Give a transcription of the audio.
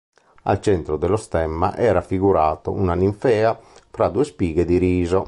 Al centro dello stemma è raffigurato una ninfea fra due spighe di riso.